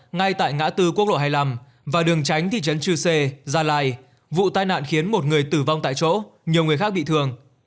ngay tại ngã tư quốc lộ hai mươi năm và đường tránh thị trấn chư sê gia lai vụ tai nạn khiến một người tử vong tại chỗ nhiều người khác bị thương